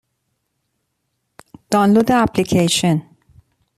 دانلود اپلیکیشن